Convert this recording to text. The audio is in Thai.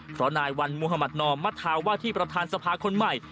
เพราะนายวันมุธมัธนอมมธาว่าที่ประธานสภาคนใหม่